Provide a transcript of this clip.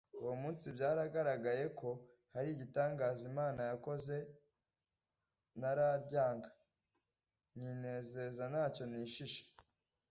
Uwo munsi byagaragaye ko hari igitangaza Imana yakoze! Nararyaga, nkinezeza nta cyo nishisha!